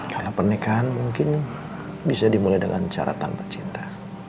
karena pernikahan mungkin bisa dimulai dengan cara tanpa cinta